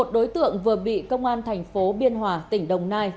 một mươi một đối tượng vừa bị công an thành phố biên hòa tỉnh đồng nai